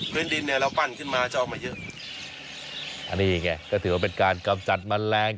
ดินเนี่ยเราปั้นขึ้นมาจะออกมาเยอะอันนี้ไงก็ถือว่าเป็นการกำจัดแมลง